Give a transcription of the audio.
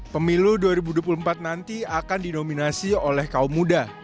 pemilu dua ribu dua puluh empat nanti akan dinominasi oleh kaum muda